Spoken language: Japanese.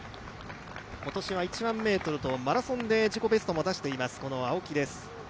今年は１００００ｍとマラソンで自己ベストも出しています、青木です。